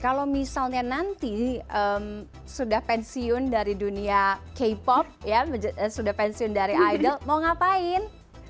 kalau misalnya nanti sudah pensiun dari dunia k pop ya sudah pensiun dari idol mau ngapain